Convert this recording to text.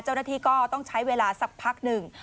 เจ้าหน้าที่ก็ต้องใช้เวลาสักพักหนึ่ง